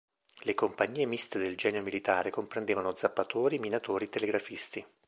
Le compagnie miste del genio militare comprendevano zappatori, minatori, telegrafisti.